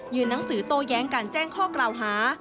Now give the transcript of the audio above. หนังสือโต้แย้งการแจ้งข้อกล่าวหา